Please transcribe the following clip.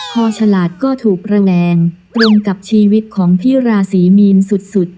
พอฉลาดก็ถูกแรงตรงกับชีวิตของพี่ราศีมีนสุด